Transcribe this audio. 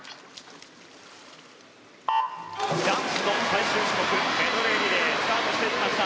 最終種目メドレーリレースタートしていきました。